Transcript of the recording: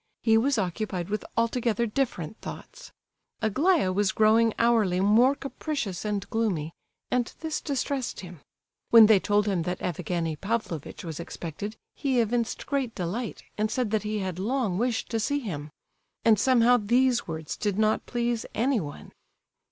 He was occupied with altogether different thoughts. Aglaya was growing hourly more capricious and gloomy, and this distressed him. When they told him that Evgenie Pavlovitch was expected, he evinced great delight, and said that he had long wished to see him—and somehow these words did not please anyone.